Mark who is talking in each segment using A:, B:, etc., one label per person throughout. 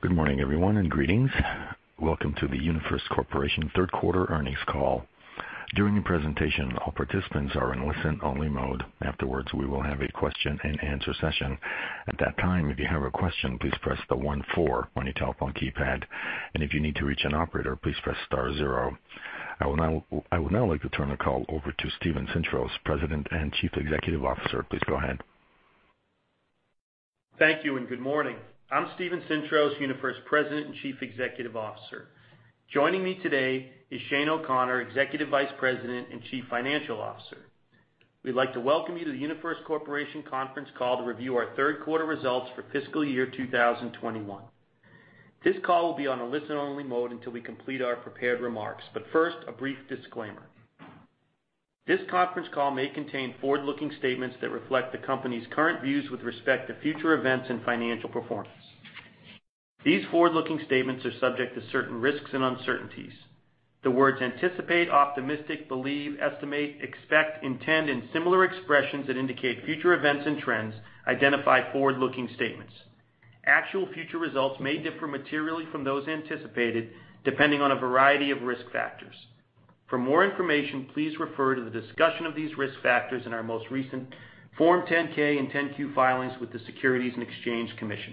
A: Good morning everyone and greetings. Welcome to the UniFirst Corporation third quarter earnings call. During the presentation all participants are in only-listen mode. Afterwards, we will have a question and answer session. At that time, if you have a question, please press the one four on your telephone keypad. And if you need to reach an operator, please press star zero. I would now like to turn the call over to Steven Sintros, President and Chief Executive Officer. Please go ahead.
B: Thank you. Good morning. I'm Steven Sintros, UniFirst President and Chief Executive Officer. Joining me today is Shane O'Connor, Executive Vice President and Chief Financial Officer. We'd like to welcome you to UniFirst Corporation conference call to review our third quarter results for fiscal year 2021. This call will be on a listen only mode until we complete our prepared remarks. First, a brief disclaimer. This conference call may contain forward-looking statements that reflect the company's current views with respect to future events and financial performance. These forward-looking statements are subject to certain risks and uncertainties. The words anticipate, optimistic, believe, estimate, expect, intend, and similar expressions that indicate future events and trends identify forward-looking statements. Actual future results may differ materially from those anticipated, depending on a variety of risk factors. For more information, please refer to the discussion of these risk factors in our most recent Form 10-K and 10-Q filings with the Securities and Exchange Commission.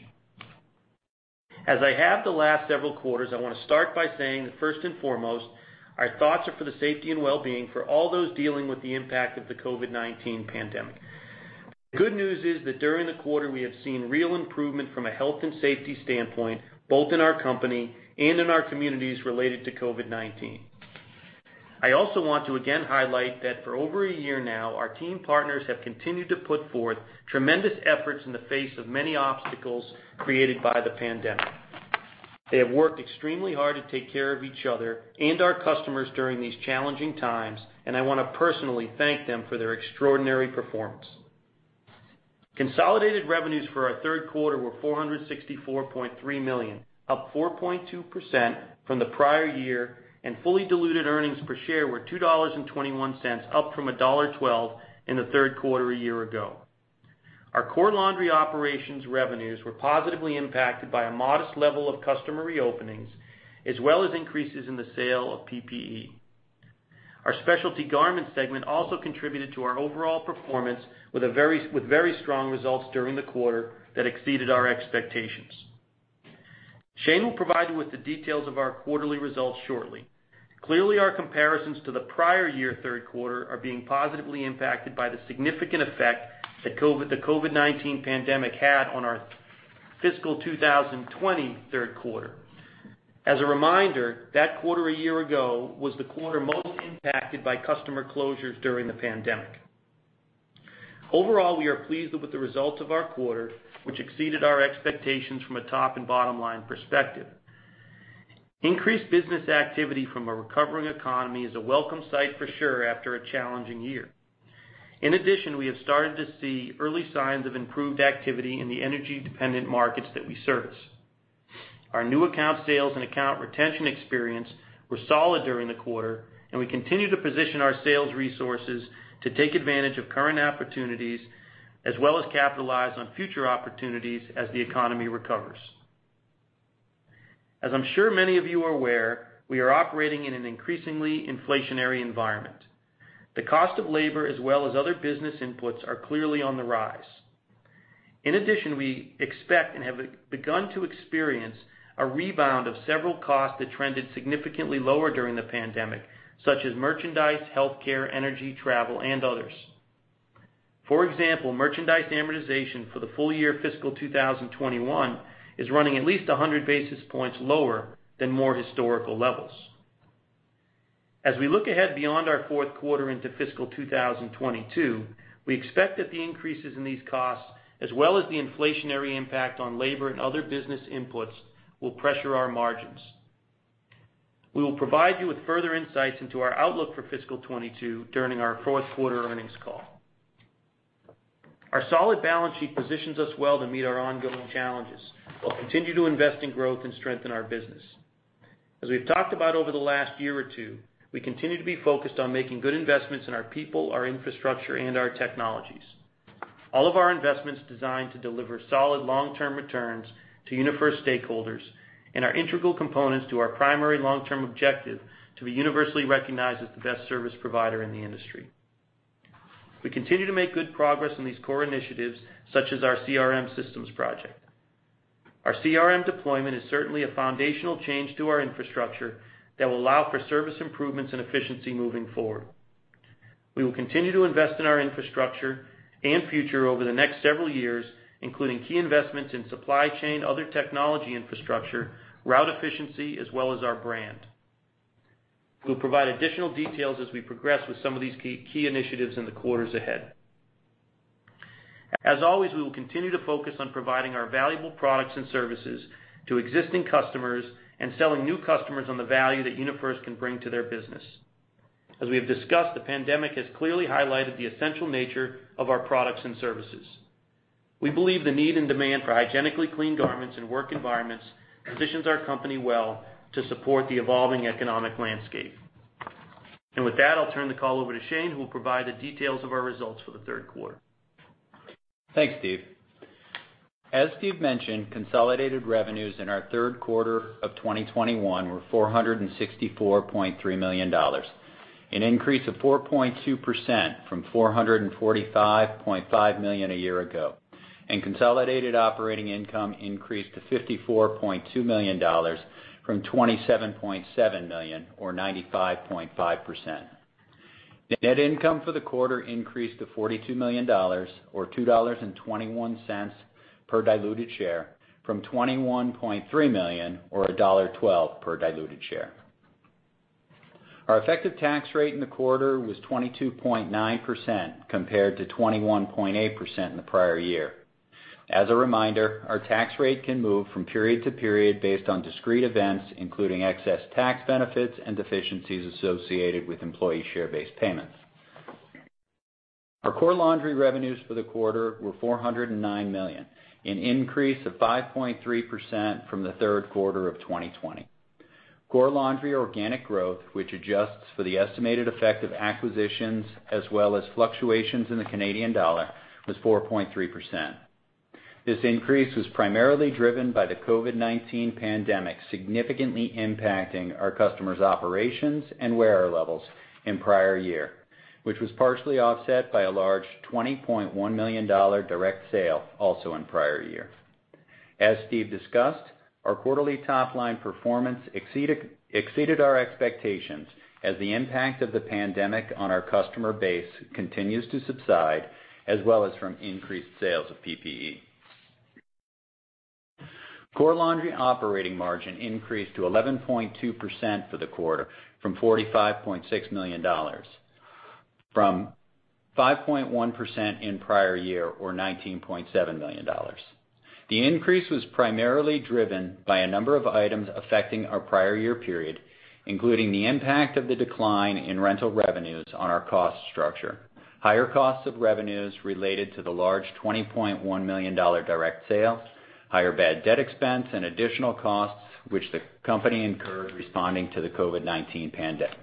B: As I have the last several quarters, I want to start by saying, first and foremost, our thoughts are for the safety and wellbeing for all those dealing with the impact of the COVID-19 pandemic. The good news is that during the quarter, we have seen real improvement from a health and safety standpoint, both in our company and in our communities related to COVID-19. I also want to again highlight that for over a year now, our team partners have continued to put forth tremendous efforts in the face of many obstacles created by the pandemic. They have worked extremely hard to take care of each other and our customers during these challenging times, and I want to personally thank them for their extraordinary performance. Consolidated revenues for our third quarter were $464.3 million, up 4.2% from the prior year, and fully diluted earnings per share were $2.21, up from $1.12 in the third quarter a year ago. Our Core Laundry Operations revenues were positively impacted by a modest level of customer reopenings, as well as increases in the sale of PPE. Our Specialty Garments segment also contributed to our overall performance with very strong results during the quarter that exceeded our expectations. Shane will provide you with the details of our quarterly results shortly. Clearly, our comparisons to the prior year third quarter are being positively impacted by the significant effect the COVID-19 pandemic had on our fiscal 2020 third quarter. As a reminder, that quarter a year ago was the quarter most impacted by customer closures during the pandemic. Overall, we are pleased with the results of our quarter, which exceeded our expectations from a top and bottom line perspective. Increased business activity from a recovering economy is a welcome sight for sure after a challenging year. In addition, we have started to see early signs of improved activity in the energy dependent markets that we service. Our new account sales and account retention experience were solid during the quarter, and we continue to position our sales resources to take advantage of current opportunities as well as capitalize on future opportunities as the economy recovers. As I'm sure many of you are aware, we are operating in an increasingly inflationary environment. The cost of labor as well as other business inputs are clearly on the rise. In addition, we expect and have begun to experience a rebound of several costs that trended significantly lower during the pandemic, such as merchandise, healthcare, energy, travel and others. For example, merchandise amortization for the full year fiscal 2021 is running at least 100 basis points lower than more historical levels. As we look ahead beyond our fourth quarter into fiscal 2022, we expect that the increases in these costs as well as the inflationary impact on labor and other business inputs will pressure our margins. We will provide you with further insights into our outlook for fiscal 2022 during our fourth quarter earnings call. Our solid balance sheet positions us well to meet our ongoing challenges while continue to invest in growth and strengthen our business. As we've talked about over the last year or two, we continue to be focused on making good investments in our people, our infrastructure and our technologies. All of our investments designed to deliver solid long-term returns to UniFirst stakeholders and are integral components to our primary long-term objective to be universally recognized as the best service provider in the industry. We continue to make good progress on these core initiatives such as our CRM systems project. Our CRM deployment is certainly a foundational change to our infrastructure that will allow for service improvements and efficiency moving forward. We will continue to invest in our infrastructure and future over the next several years, including key investments in supply chain, other technology infrastructure, route efficiency, as well as our brand. We'll provide additional details as we progress with some of these key initiatives in the quarters ahead. As always, we will continue to focus on providing our valuable products and services to existing customers and selling new customers on the value that UniFirst can bring to their business. As we have discussed, the pandemic has clearly highlighted the essential nature of our products and services. We believe the need and demand for hygienically clean garments and work environments positions our company well to support the evolving economic landscape. With that, I'll turn the call over to Shane, who will provide the details of our results for the third quarter.
C: Thanks Steve. As Steve mentioned, consolidated revenues in our third quarter of 2021 were $464.3 million, an increase of 4.2% from $445.5 million a year ago. Consolidated operating income increased to $54.2 million from $27.7 million or 95.5%. Net income for the quarter increased to $42 million, or $2.21 per diluted share from $21.3 million or $1.12 per diluted share. Our effective tax rate in the quarter was 22.9% compared to 21.8% in the prior year. As a reminder, our tax rate can move from period to period based on discrete events, including excess tax benefits and deficiencies associated with employee share-based payments. Our Core Laundry revenues for the quarter were $409 million, an increase of 5.3% from the third quarter of 2020. Core Laundry organic growth, which adjusts for the estimated effect of acquisitions as well as fluctuations in the Canadian dollar, was 4.3%. This increase was primarily driven by the COVID-19 pandemic, significantly impacting our customers' operations and wearer levels in prior year, which was partially offset by a large $20.1 million direct sale also in prior year. As Steve discussed, our quarterly top-line performance exceeded our expectations as the impact of the pandemic on our customer base continues to subside, as well as from increased sales of PPE. Core Laundry operating margin increased to 11.2% for the quarter from $45.6 million, from 5.1% in prior year or $19.7 million. The increase was primarily driven by a number of items affecting our prior year period, including the impact of the decline in rental revenues on our cost structure, higher costs of revenues related to the large $20.1 million direct sales, higher bad debt expense, and additional costs which the company incurred responding to the COVID-19 pandemic.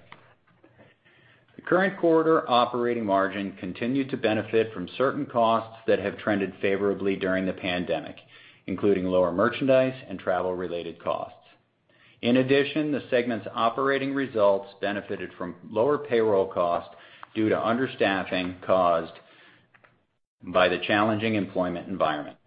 C: The current quarter operating margin continued to benefit from certain costs that have trended favorably during the pandemic, including lower merchandise and travel related costs. In addition, the segment's operating results benefited from lower payroll costs due to understaffing caused by the challenging employment environment.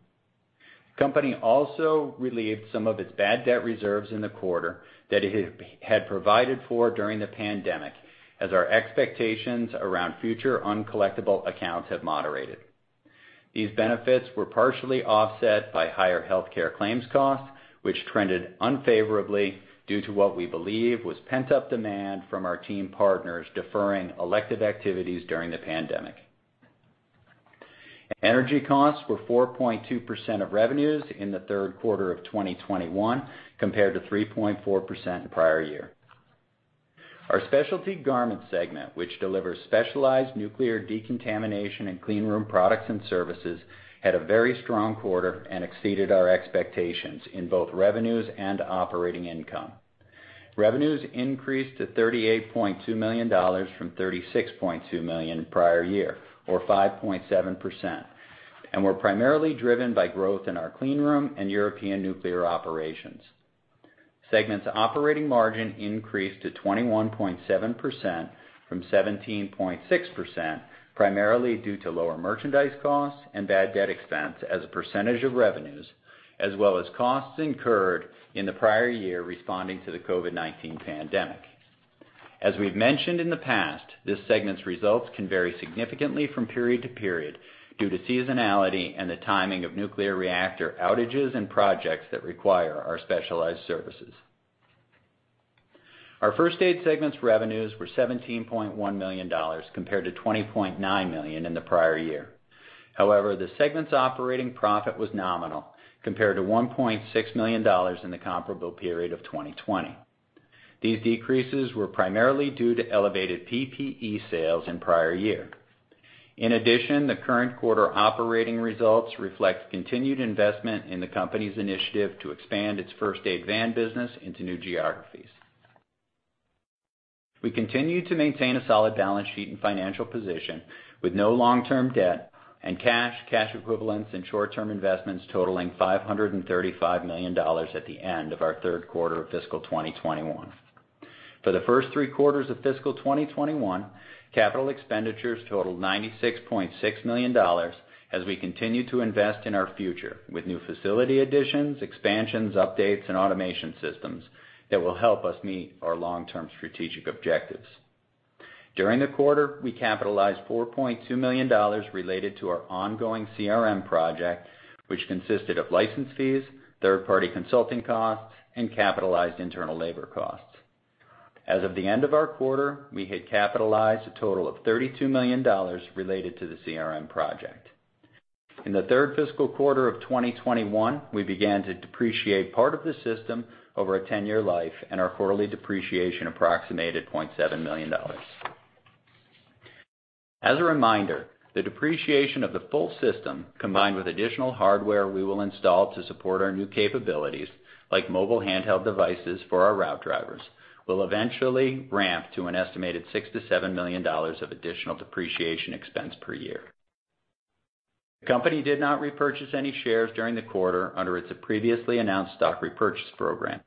C: Company also relieved some of its bad debt reserves in the quarter that it had provided for during the pandemic, as our expectations around future uncollectible accounts have moderated. These benefits were partially offset by higher healthcare claims costs, which trended unfavorably due to what we believe was pent-up demand from our team partners deferring elective activities during the pandemic. Energy costs were 4.2% of revenues in the third quarter of 2021, compared to 3.4% the prior year. Our Specialty Garments segment, which delivers specialized nuclear decontamination and cleanroom products and services, had a very strong quarter and exceeded our expectations in both revenues and operating income. Revenues increased to $38.2 million from $36.2 million in prior year, or 5.7%, and were primarily driven by growth in our cleanroom and European nuclear operations. Segment's operating margin increased to 21.7% from 17.6%, primarily due to lower merchandise costs and bad debt expense as a percentage of revenues, as well as costs incurred in the prior year responding to the COVID-19 pandemic. As we've mentioned in the past, this segment's results can vary significantly from period to period due to seasonality and the timing of nuclear reactor outages and projects that require our specialized services. Our First Aid segment's revenues were $17.1 million compared to $20.9 million in the prior year. The segment's operating profit was nominal compared to $1.6 million in the comparable period of 2020. These decreases were primarily due to elevated PPE sales in prior year. The current quarter operating results reflect continued investment in the company's initiative to expand its First Aid van business into new geographies. We continue to maintain a solid balance sheet and financial position with no long-term debt and cash equivalents, and short-term investments totaling $535 million at the end of our third quarter of fiscal 2021. For the first three quarters of fiscal 2021, capital expenditures totaled $96.6 million, as we continue to invest in our future with new facility additions, expansions, updates, and automation systems that will help us meet our long-term strategic objectives. During the quarter, we capitalized $4.2 million related to our ongoing CRM project, which consisted of license fees, third-party consulting costs, and capitalized internal labor costs. As of the end of our quarter, we had capitalized a total of $32 million related to the CRM project. In the third fiscal quarter of 2021, we began to depreciate part of the system over a 10-year life, and our quarterly depreciation approximated $0.7 million. As a reminder, the depreciation of the full system, combined with additional hardware we will install to support our new capabilities, like mobile handheld devices for our route drivers, will eventually ramp to an estimated $6 million-$7 million of additional depreciation expense per year. The company did not repurchase any shares during the quarter under its previously announced stock repurchase program.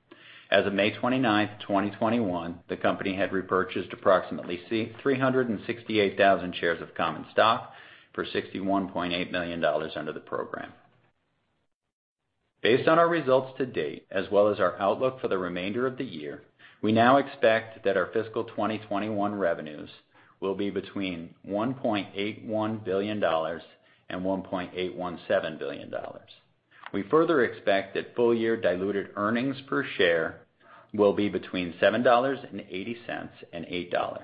C: As of May 29th, 2021, the company had repurchased approximately 368,000 shares of common stock for $61.8 million under the program. Based on our results to date, as well as our outlook for the remainder of the year, we now expect that our fiscal 2021 revenues will be between $1.81 billion and $1.817 billion. We further expect that full year diluted earnings per share will be between $7.80 and $8.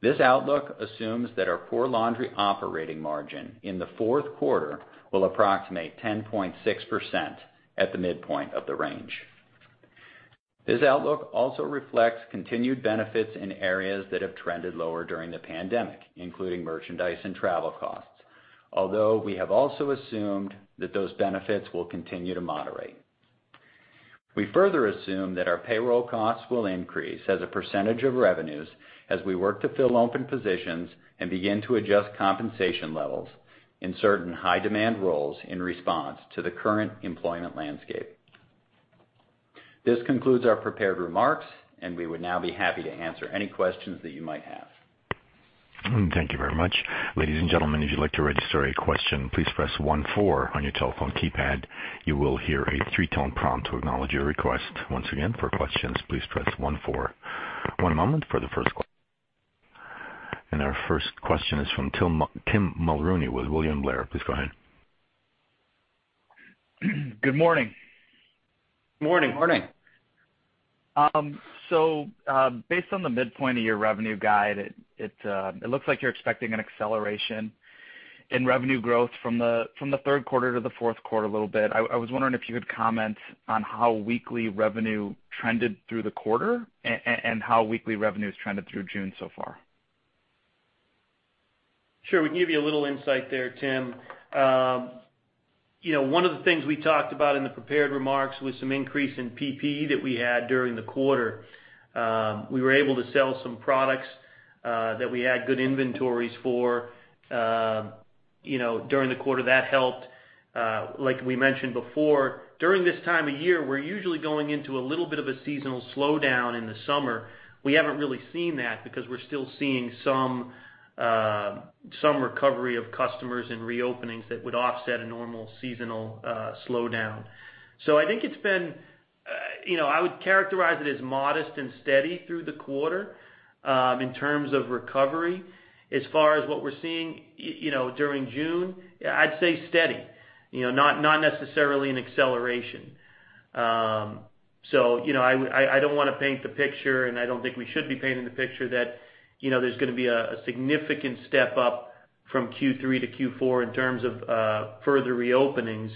C: This outlook assumes that our Core Laundry operating margin in the fourth quarter will approximate 10.6% at the midpoint of the range. This outlook also reflects continued benefits in areas that have trended lower during the pandemic, including merchandise and travel costs. Although we have also assumed that those benefits will continue to moderate. We further assume that our payroll costs will increase as a percentage of revenues as we work to fill open positions and begin to adjust compensation levels in certain high demand roles in response to the current employment landscape. This concludes our prepared remarks, and we would now be happy to answer any questions that you might have.
A: Thank you very much. Ladies and gentlemen, if you'd like to register a question, please press one four on your telephone keypad. You will hear a threetone prompt to acknowledge your request. Once again, for questions, please press one four. One moment for the first question. Our first question is from Tim Mulrooney with William Blair. Please go ahead.
D: Good morning.
B: Morning.
C: Morning.
D: Based on the midpoint of your revenue guide, it looks like you're expecting an acceleration in revenue growth from the third quarter to the fourth quarter a little bit. I was wondering if you could comment on how weekly revenue trended through the quarter and how weekly revenue has trended through June so far.
C: Sure. We can give you a little insight there Tim. One of the things we talked about in the prepared remarks was some increase in PPE that we had during the quarter. We were able to sell some products that we had good inventories for during the quarter. That helped. Like we mentioned before, during this time of year, we're usually going into a little bit of a seasonal slowdown in the summer. We haven't seen that because we're still seeing some recovery of customers and reopenings that would offset a normal seasonal slowdown. I would characterize it as modest and steady through the quarter in terms of recovery. As far as what we're seeing during June, I'd say steady, not necessarily an acceleration. I don't want to paint the picture, and I don't think we should be painting the picture that there's going to be a significant step up from Q3-Q4 in terms of further reopenings.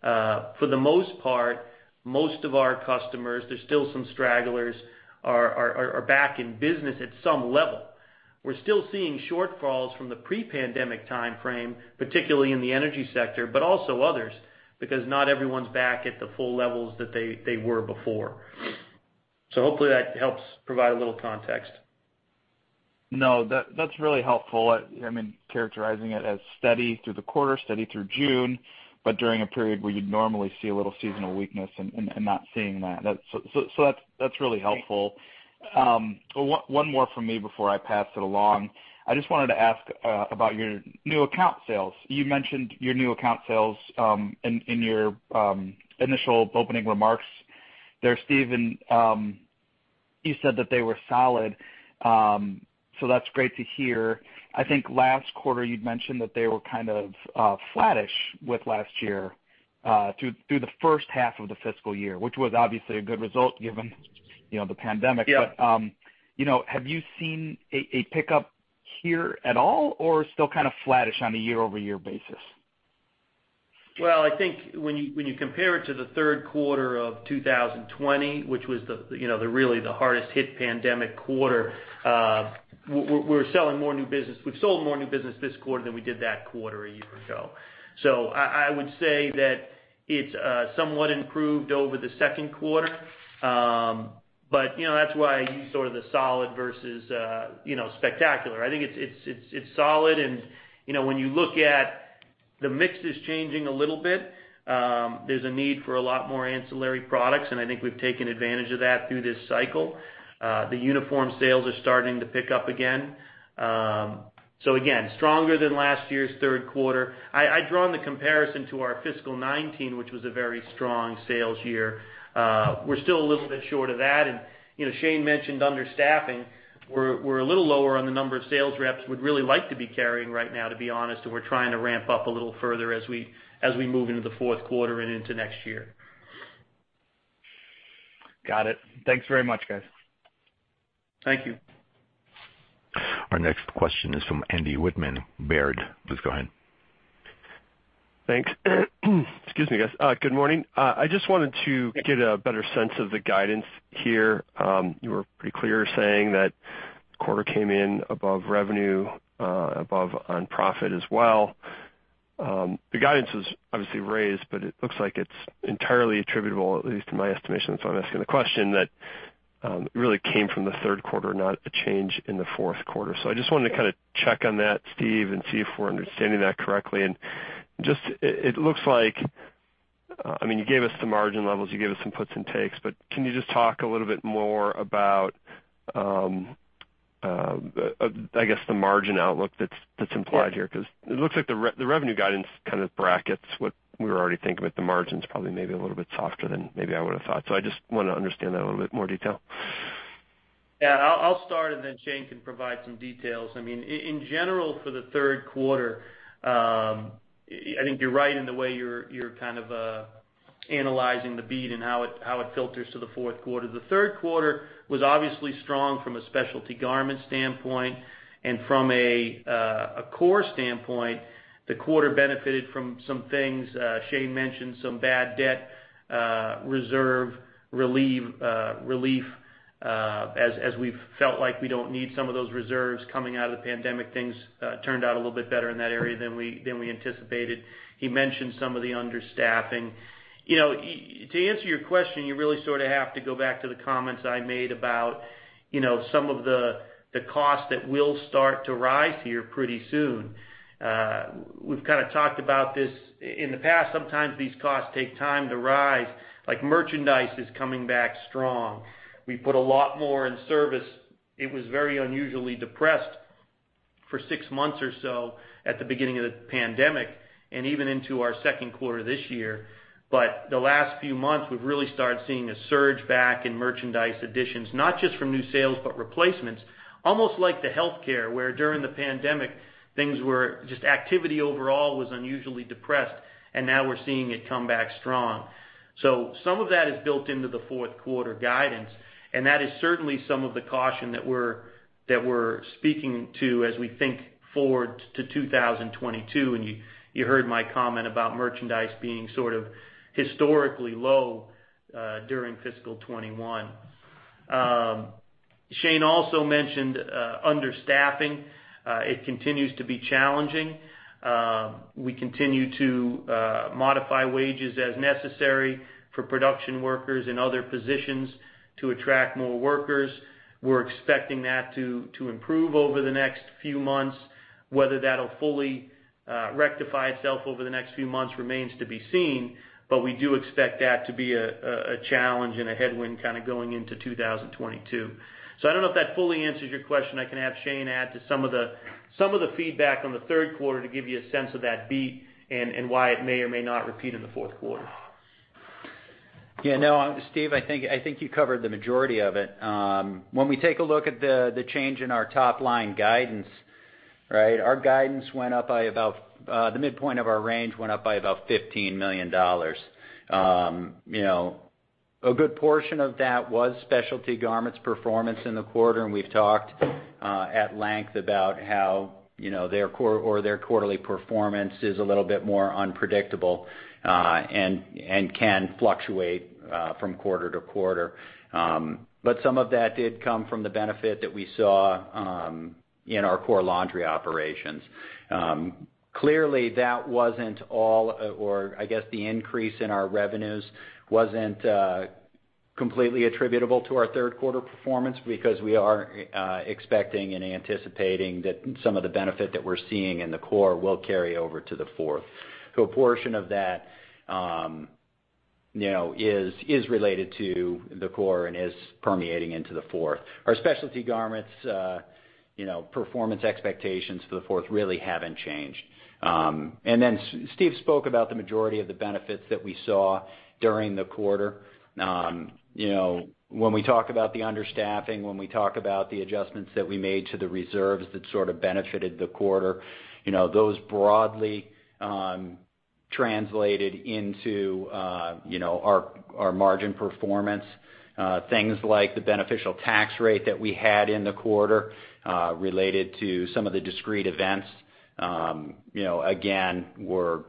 C: For the most part, most of our customers, there's still some stragglers, are back in business at some level. We're still seeing shortfalls from the pre-pandemic timeframe, particularly in the energy sector, but also others, because not everyone's back at the full levels that they were before. Hopefully that helps provide a little context.
D: That's really helpful. Characterizing it as steady through the quarter, steady through June, but during a period where you'd normally see a little seasonal weakness and not seeing that. That's really helpful. One more from me before I pass it along. I just wanted to ask about your new account sales. You mentioned your new account sales in your initial opening remarks there Steven. You said that they were solid. That's great to hear. I think last quarter you mentioned that they were kind of flattish with last year through the first half of the fiscal year, which was obviously a good result given the pandemic.
B: Yeah.
D: Have you seen a pickup here at all or still kind of flattish on a year-over-year basis?
B: I think when you compare it to the third quarter of 2020, which was really the hardest hit pandemic quarter, we're selling more new business. We've sold more new business this quarter than we did that quarter a year ago. I would say that it's somewhat improved over the second quarter. That's why I use sort of the solid versus spectacular. I think it's solid, and when you look at the mix is changing a little bit. There's a need for a lot more ancillary products, and I think we've taken advantage of that through this cycle. The uniform sales are starting to pick up again. Again, stronger than last year's third quarter. I've drawn the comparison to our fiscal 2019, which was a very strong sales year. We're still a little bit short of that. Shane mentioned understaffing. We're a little lower on the number of sales reps we'd really like to be carrying right now, to be honest, and we're trying to ramp up a little further as we move into the fourth quarter and into next year.
D: Got it. Thanks very much guys.
C: Thank you.
A: Our next question is from Andy Wittmann, Baird. Please go ahead.
E: Thanks. Excuse me guys. Good morning. I just wanted to get a better sense of the guidance here. You were pretty clear saying that the quarter came in above revenue, above on profit as well. The guidance is obviously raised, but it looks like it's entirely attributable, at least in my estimation, so I'm asking the question that really came from the third quarter, not a change in the fourth quarter. I just wanted to kind of check on that Steve and see if we're understanding that correctly. It looks like, you gave us the margin levels, you gave us some puts and takes, but can you just talk a little bit more about, I guess, the margin outlook that's implied here? It looks like the revenue guidance kind of brackets what we were already thinking with the margins, probably maybe a little bit softer than maybe I would've thought. I just want to understand that in a little bit more detail.
B: Yeah. I'll start and then Shane can provide some details. In general, for the third quarter, I think you're right in the way you're kind of analyzing the beat and how it filters to the fourth quarter. The third quarter was obviously strong from a Specialty Garments standpoint. From a core standpoint, the quarter benefited from some things Shane mentioned, some bad debt reserve relief, as we've felt like we don't need some of those reserves coming out of the pandemic. Things turned out a little bit better in that area than we anticipated. He mentioned some of the understaffing. To answer your question, you really sort of have to go back to the comments I made about some of the costs that will start to rise here pretty soon. We've kind of talked about this in the past, sometimes these costs take time to rise. Like merchandise is coming back strong. We put a lot more in service. It was very unusually depressed for six months or so at the beginning of the pandemic, and even into our second quarter this year. The last few months, we've really started seeing a surge back in merchandise additions, not just from new sales, but replacements. Almost like the healthcare, where during the pandemic, just activity overall was unusually depressed, and now we're seeing it come back strong. Some of that is built into the fourth quarter guidance, and that is certainly some of the caution that we're speaking to as we think forward to 2022. You heard my comment about merchandise being sort of historically low during fiscal 2021. Shane also mentioned understaffing. It continues to be challenging. We continue to modify wages as necessary for production workers in other positions to attract more workers. We're expecting that to improve over the next few months. Whether that'll fully rectify itself over the next few months remains to be seen, but we do expect that to be a challenge and a headwind kind of going into 2022. I don't know if that fully answers your question. I can have Shane add to some of the feedback on the third quarter to give you a sense of that beat and why it may or may not repeat in the fourth quarter.
C: No Steve, I think you covered the majority of it. When we take a look at the change in our top-line guidance, the midpoint of our range went up by about $15 million. A good portion of that was Specialty Garments performance in the quarter, and we've talked at length about how their quarterly performance is a little bit more unpredictable and can fluctuate from quarter to quarter. Some of that did come from the benefit that we saw in our Core Laundry Operations. Clearly, that wasn't all, or I guess the increase in our revenues wasn't completely attributable to our third quarter performance because we are expecting and anticipating that some of the benefit that we're seeing in the Core will carry over to the fourth. A portion of that is related to the Core and is permeating into the fourth. Our Specialty Garments performance expectations for the fourth really haven't changed. Steve spoke about the majority of the benefits that we saw during the quarter. When we talk about the understaffing, when we talk about the adjustments that we made to the reserves that sort of benefited the quarter, those broadly translated into our margin performance. Things like the beneficial tax rate that we had in the quarter related to some of the discrete events again, were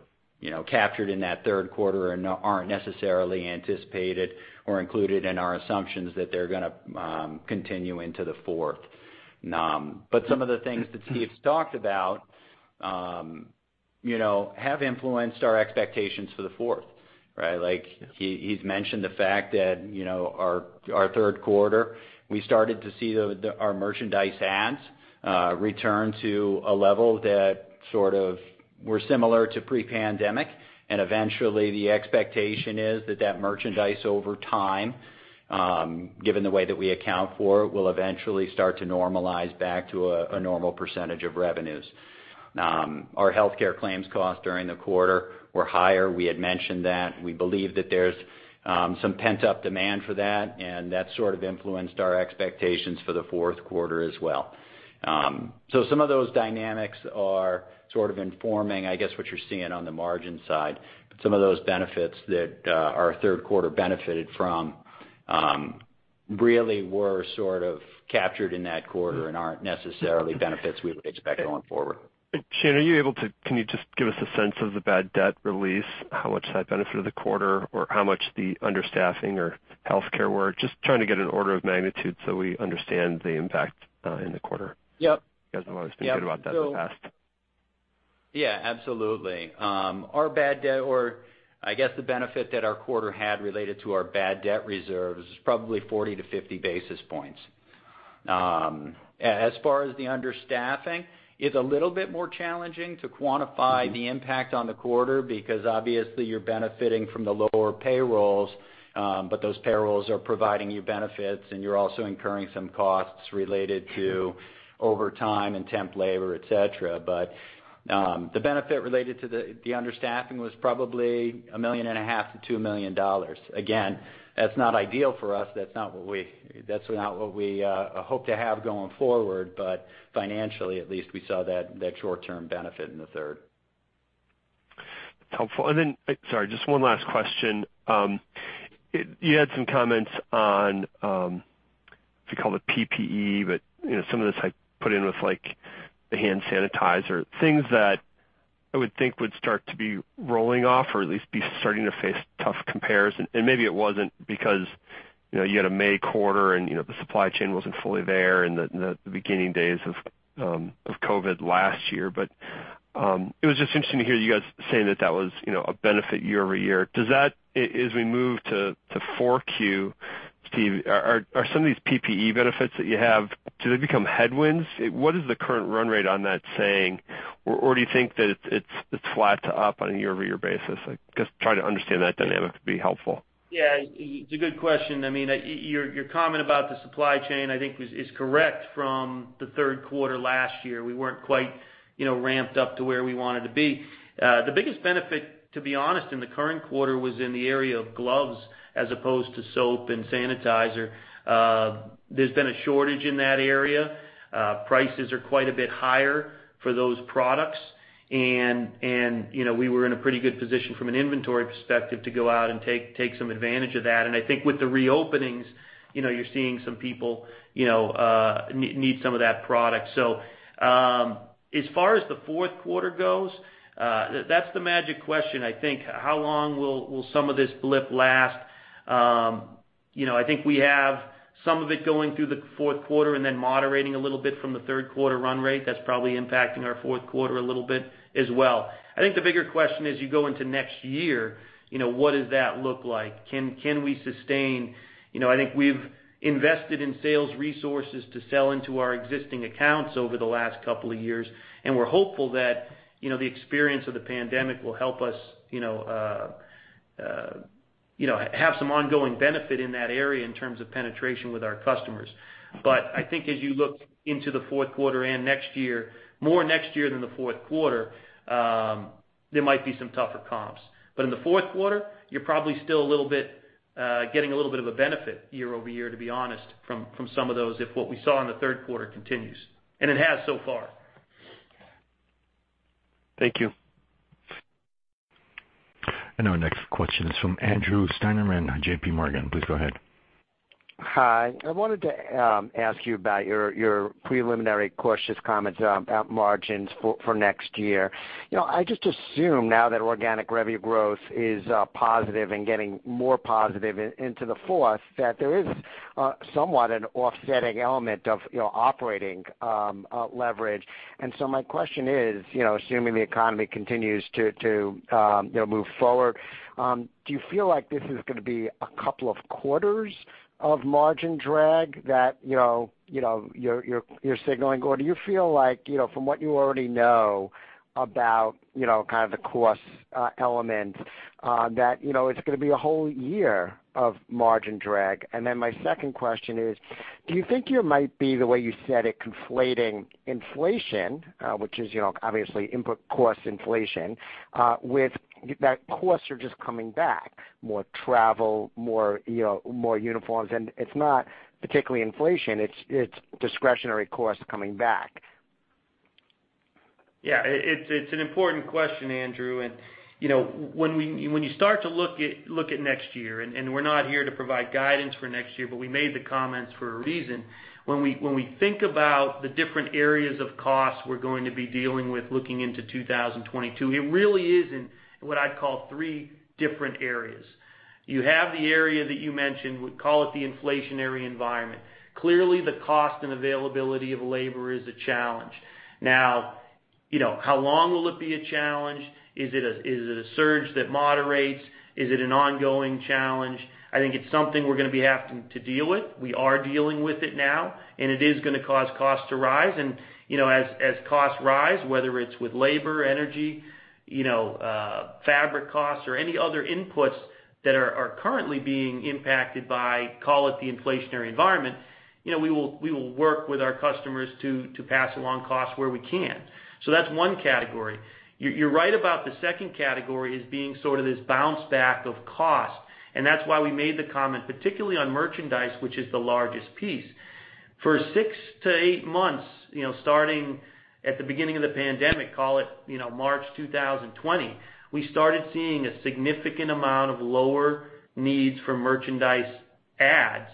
C: captured in that third quarter and aren't necessarily anticipated or included in our assumptions that they're going to continue into the fourth. Some of the things that Steve's talked about have influenced our expectations for the fourth. He's mentioned the fact that our third quarter, we started to see our merchandise adds return to a level that sort of were similar to pre-pandemic, and eventually the expectation is that that merchandise over time, given the way that we account for it, will eventually start to normalize back to a normal percentage of revenues. Our healthcare claims costs during the quarter were higher. We had mentioned that. We believe that there's some pent-up demand for that, and that sort of influenced our expectations for the fourth quarter as well. Some of those dynamics are sort of informing, I guess, what you're seeing on the margin side. Some of those benefits that our third quarter benefited from Really were sort of captured in that quarter and aren't necessarily benefits we'd expect going forward.
E: Shane, can you just give us a sense of the bad debt release, how much that benefited the quarter, or how much the understaffing or healthcare were? Just trying to get an order of magnitude so we understand the impact in the quarter.
C: Yep.
E: I was thinking about that in the past.
C: Yeah, absolutely. Our bad debt, or I guess the benefit that our quarter had related to our bad debt reserves is probably 40 basis points-50 basis points. As far as the understaffing, it's a little bit more challenging to quantify the impact on the quarter because obviously you're benefiting from the lower payrolls, but those payrolls are providing you benefits and you're also incurring some costs related to overtime and temp labor, et cetera. The benefit related to the understaffing was probably a million and a half to $2 million. Again, that's not ideal for us. That's not what we hope to have going forward. Financially at least, we saw that short-term benefit in the third.
E: That's helpful. Sorry, just one last question. You had some comments on, if you call it PPE, but some of this, put in with the hand sanitizer, things that I would think would start to be rolling off or at least be starting to face tough comparison. Maybe it wasn't because you had a May quarter and the supply chain wasn't fully there in the beginning days of COVID last year. It was just interesting to hear you guys say that was a benefit year-over-year. As we move to 4Q, Steve, are some of these PPE benefits that you have, do they become headwinds? What is the current run rate on that saying? Do you think that it's flat to up on a year-over-year basis? I guess trying to understand that dynamic would be helpful.
B: Yeah it's a good question. Your comment about the supply chain, I think, is correct from the third quarter last year. We weren't quite ramped up to where we wanted to be. The biggest benefit, to be honest, in the current quarter was in the area of gloves as opposed to soap and sanitizer. There's been a shortage in that area. Prices are quite a bit higher for those products, and we were in a pretty good position from an inventory perspective to go out and take some advantage of that. I think with the reopenings, you're seeing some people need some of that product. As far as the fourth quarter goes, that's the magic question, I think. How long will some of this blip last? I think we have some of it going through the fourth quarter and then moderating a little bit from the third quarter run rate. That's probably impacting our fourth quarter a little bit as well. I think the bigger question is you go into next year, what does that look like? Can we sustain? I think we've invested in sales resources to sell into our existing accounts over the last couple of years, and we're hopeful that the experience of the pandemic will help us have some ongoing benefit in that area in terms of penetration with our customers. I think as you look into the fourth quarter and next year, more next year than the fourth quarter, there might be some tougher comps. In the fourth quarter, you're probably still getting a little bit of a benefit year-over-year to be honest from some of those, if what we saw in the third quarter continues, and it has so far.
E: Thank you.
A: Our next question is from Andrew Steinerman, J.P. Morgan. Please go ahead.
F: Hi. I wanted to ask you about your preliminary cautious comments about margins for next year. I just assume now that organic revenue growth is positive and getting more positive into the fourth, that there is somewhat an offsetting element of operating leverage. My question is, assuming the economy continues to move forward, do you feel like this is going to be a couple of quarters of margin drag that you're signaling? Do you feel like from what you already know about kind of the cost elements that it's going to be a whole year of margin drag? My second question is, do you think you might be, the way you said it, conflating inflation, which is obviously input cost inflation, with that costs are just coming back, more travel, more uniforms, and it's not particularly inflation, it's discretionary costs coming back?
B: Yeah. It's an important question Andrew. When you start to look at next year, and we're not here to provide guidance for next year, but we made the comments for a reason. When we think about the different areas of cost we're going to be dealing with looking into 2022, it really is in what I call three different areas. You have the area that you mentioned, we call it the inflationary environment. Clearly, the cost and availability of labor is a challenge. How long will it be a challenge? Is it a surge that moderates? Is it an ongoing challenge? I think it's something we're going to be having to deal with. We are dealing with it now, and it is going to cause costs to rise. As costs rise, whether it's with labor, energy, fabric costs or any other inputs that are currently being impacted by, call it the inflationary environment, we will work with our customers to pass along costs where we can. That's one category. You're right about the second category as being sort of this bounce back of cost, and that's why we made the comment, particularly on merchandise, which is the largest piece. For six to eight months, starting at the beginning of the pandemic, call it March 2020, we started seeing a significant amount of lower needs for merchandise adds,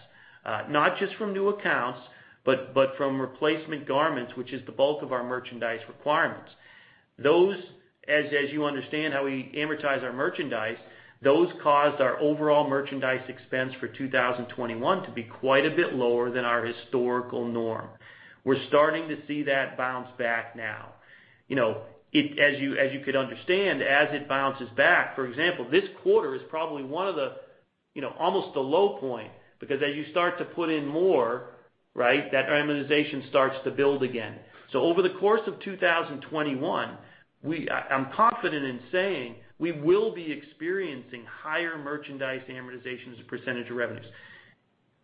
B: not just from new accounts, but from replacement garments, which is the bulk of our merchandise requirements. As you understand how we amortize our merchandise, those caused our overall merchandise expense for 2021 to be quite a bit lower than our historical norm. We're starting to see that bounce back now. As you could understand, as it bounces back, for example, this quarter is probably one of the, almost the low point, because as you start to put in more, that amortization starts to build again. Over the course of 2021, I'm confident in saying we will be experiencing higher merchandise amortization as a percentage of revenues.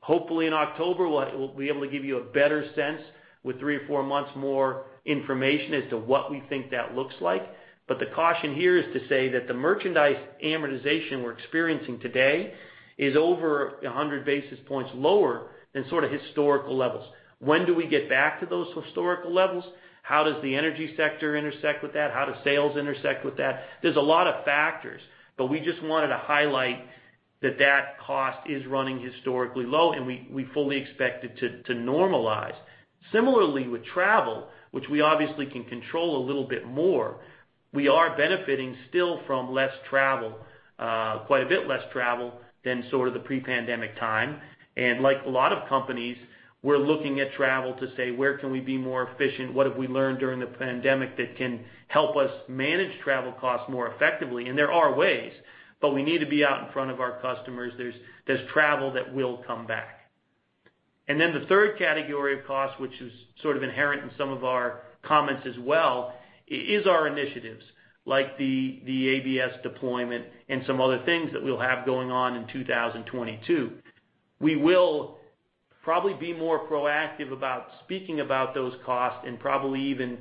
B: Hopefully in October, we'll be able to give you a better sense with 3 or 4 months more information as to what we think that looks like. The caution here is to say that the merchandise amortization we're experiencing today is over 100 basis points lower than historical levels. When do we get back to those historical levels? How does the energy sector intersect with that? How do sales intersect with that? There's a lot of factors, but we just wanted to highlight that that cost is running historically low, and we fully expect it to normalize. Similarly, with travel, which we obviously can control a little bit more, we are benefiting still from less travel, quite a bit less travel than sort of the pre-pandemic time. Like a lot of companies, we're looking at travel to say, "Where can we be more efficient? What have we learned during the pandemic that can help us manage travel costs more effectively?" There are ways, but we need to be out in front of our customers. There's travel that will come back. The third category of costs, which is sort of inherent in some of our comments as well, is our initiatives, like the EPS deployment and some other things that we'll have going on in 2022. We will probably be more proactive about speaking about those costs and probably even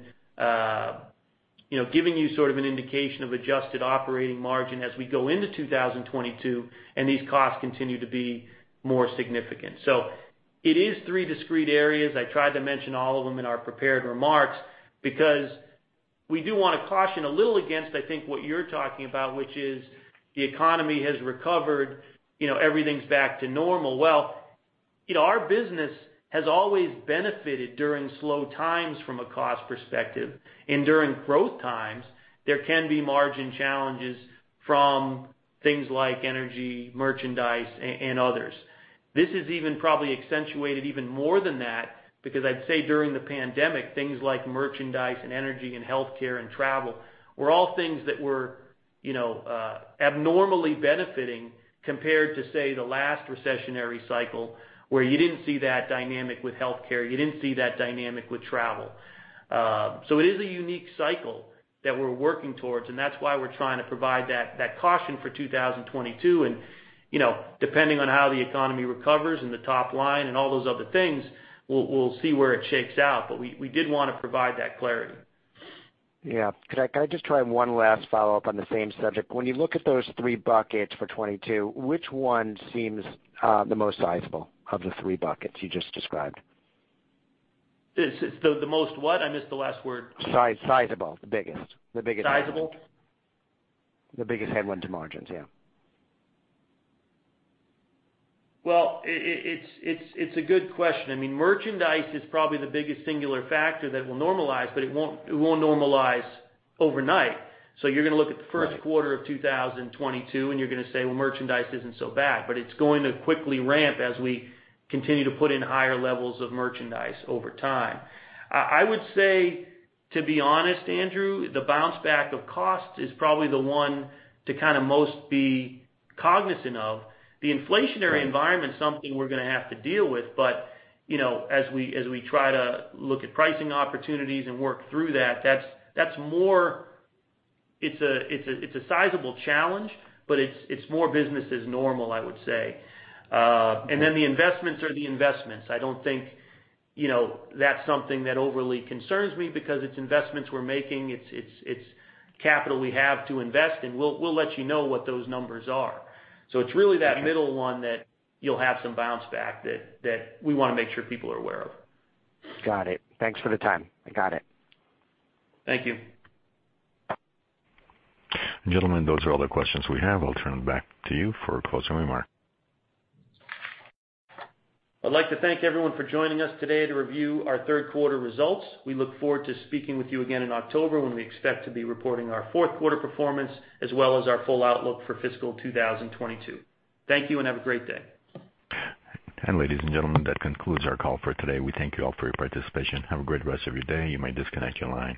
B: giving you sort of an indication of adjusted operating margin as we go into 2022 and these costs continue to be more significant. It is three discrete areas. I tried to mention all of them in our prepared remarks because we do want to caution a little against, I think, what you're talking about, which is the economy has recovered, everything's back to normal. Our business has always benefited during slow times from a cost perspective. During growth times, there can be margin challenges from things like energy, merchandise, and others. This is even probably accentuated even more than that because I'd say during the pandemic, things like merchandise and energy and healthcare and travel were all things that were abnormally benefiting compared to say the last recessionary cycle where you didn't see that dynamic with healthcare, you didn't see that dynamic with travel. It is a unique cycle that we're working towards, and that's why we're trying to provide that caution for 2022. Depending on how the economy recovers and the top line and all those other things, we'll see where it shakes out. We did want to provide that clarity.
F: Yeah. Could I just try one last follow-up on the same subject? When you look at those three buckets for 2022, which one seems the most sizable of the three buckets you just described?
B: The most what? I missed the last word.
F: Sizeable, the biggest.
B: Sizeable?
F: The biggest headwind to margins, yeah.
B: Well, it's a good question. Merchandise is probably the biggest singular factor that will normalize, but it won't normalize overnight. You're going to look at the first quarter of 2022, and you're going to say, "Well, merchandise isn't so bad," but it's going to quickly ramp as we continue to put in higher levels of merchandise over time. I would say, to be honest, Andrew, the bounce back of cost is probably the one to most be cognizant of. The inflationary environment is something we're going to have to deal with, but as we try to look at pricing opportunities and work through that, it's a sizable challenge, but it's more business as normal, I would say. The investments are the investments. I don't think that's something that overly concerns me because it's investments we're making. It's capital we have to invest in. We'll let you know what those numbers are. It's really that middle one that you'll have some bounce back that we want to make sure people are aware of.
F: Got it. Thanks for the time. I got it.
B: Thank you.
A: Gentlemen those are all the questions we have. I'll turn it back to you for closing remarks.
B: I'd like to thank everyone for joining us today to review our third quarter results. We look forward to speaking with you again in October when we expect to be reporting our fourth quarter performance, as well as our full outlook for fiscal 2022. Thank you, and have a great day.
A: Ladies and gentlemen that concludes our call for today. We thank you all for your participation. Have a great rest of your day. You may disconnect your line.